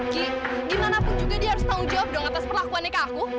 ki gimana pun juga dia harus tahu jawab dong atas perlakuannya ke aku